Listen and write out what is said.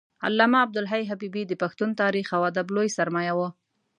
علامه عبدالحی حبیبي د پښتون تاریخ او ادب لوی سرمایه و